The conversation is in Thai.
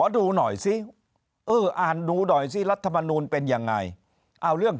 ดูหน่อยซิเอออ่านดูหน่อยซิรัฐมนูลเป็นยังไงเอาเรื่อง